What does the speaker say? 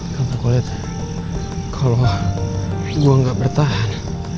kau lihat kalo gua gak bertahan